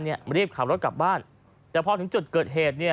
รีบขับรถกลับบ้านแต่พอถึงจุดเกิดเหตุ